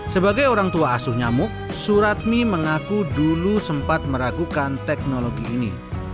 sebagai orang tua asuh nyamuk suratmi mengaku dulu sempat meragukan teknologi ini